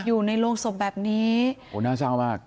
อยู่ในโรงศพแบบนี้โอ้น่าเศร้ามาก